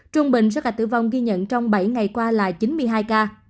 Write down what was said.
trung bình số ca tử vong ghi nhận trong bảy ngày qua là chín mươi hai ca